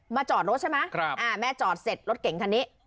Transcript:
จอดรถใช่ไหมแม่จอดเสร็จรถเก่งคันนี้